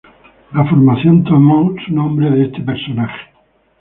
La formación tomó su nombre de este personaje.